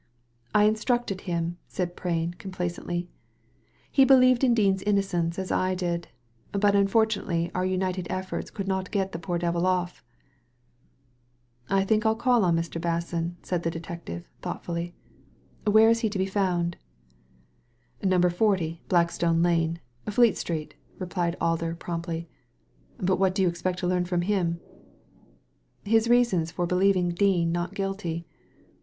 "I instructed him/' said Prain, complacently. "He believed in Dean's innocence as I did; but unfortunately our united efforts could not get the poor devil off." "I think 111 call on Mr. Basson," said the de tective, thoughtfully. " Where is he to be found ?" ''Na 40, Blackstone Lane, Fleet Street," replied Alder promptly ; "but what do you expect to learn from him ?"His reasons for believing Dean not guilty."